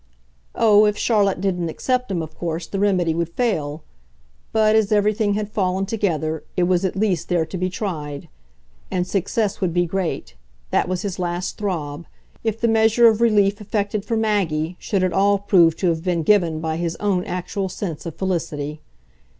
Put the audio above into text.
Oh, if Charlotte didn't accept him, of course the remedy would fail; but, as everything had fallen together, it was at least there to be tried. And success would be great that was his last throb if the measure of relief effected for Maggie should at all prove to have been given by his own actual sense of felicity.